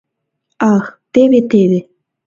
Ах, теве-теве...